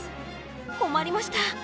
困りました！